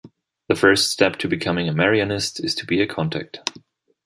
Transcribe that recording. The first step to becoming a Marianist is to be a Contact.